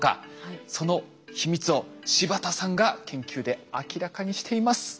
その秘密を柴田さんが研究で明らかにしています。